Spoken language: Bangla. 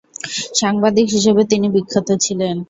সাংবাদিক হিসাবে তিনি বিখ্যাত ছিলেন।